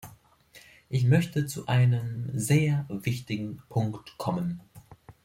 Ich möchte zu einem sehr wichtigen Punkt kommen.